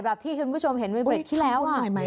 แบบที่คุณผู้ชมเห็นเวรเบรจที่แล้ว